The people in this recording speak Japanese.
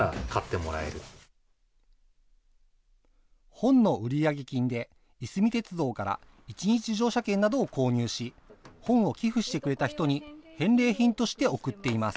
本の売上金でいすみ鉄道から１日乗車券などを購入し、本を寄付してくれた人に返礼品として送っています。